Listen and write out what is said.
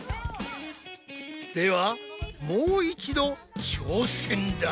ではもう一度挑戦だ！